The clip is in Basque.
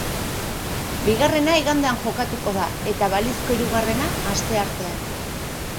Bigarrena igandean jokatuko da eta balizko hirugarrena asteartean.